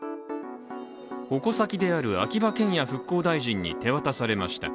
矛先である秋葉賢也復興大臣に手渡されました。